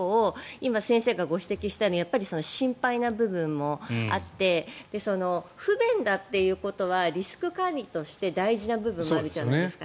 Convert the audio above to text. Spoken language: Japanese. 今、先生がご指摘したように心配な部分もあって不便だということはリスク管理として大事な部分もあるじゃないですか。